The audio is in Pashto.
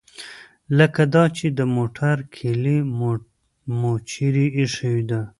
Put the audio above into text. لکه دا چې د موټر کیلي مو چیرې ایښې ده.